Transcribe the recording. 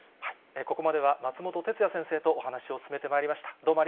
ここまでは松本哲哉先生とお話を進めてまいりました。